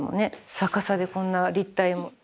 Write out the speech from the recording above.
逆さでこんな立体を。